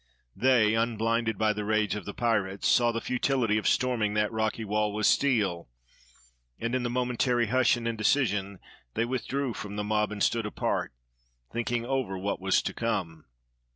They, unblinded by the rage of the pirates, saw the futility of storming that rocky wall with steel, and in the momentary hush and indecision they withdrew from the mob and stood apart, thinking over what was to come.